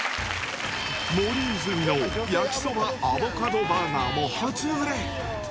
森泉の焼きそばアボカドバーガーも初売れ。